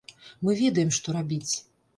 Мы ведаем, што рабіць.